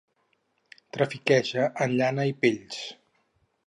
Trafiqueja en llana i pells.